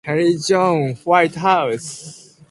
Henry John Whitehouse.